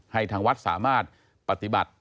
ทางวัดสามารถปฏิบัติ